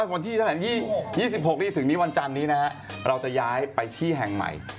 วันที่ฉากแห่งนี้ยี่สิบหกนี้ถึงนี้วันจันนี้นะฮะเราจะย้ายไปที่แห่งใหม่